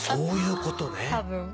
そういうことね。